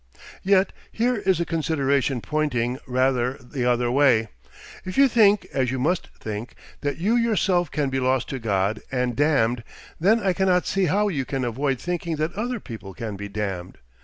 Yet here is a consideration pointing rather the other way. If you think, as you must think, that you yourself can be lost to God and damned, then I cannot see how you can avoid thinking that other people can be damned.